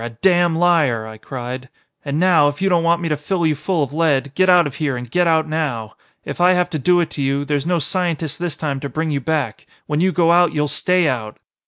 A damn liar!" I cried. "And now, if you don't want me to fill you full of lead, get out of here and get out now! If I have to do it to you, there's no scientist this time to bring you back. When you go out you'll stay out!"